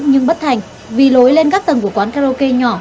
nhưng bất thành vì lối lên các tầng của quán karaoke nhỏ